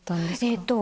えっと。